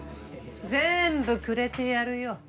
・全部くれてやるよ。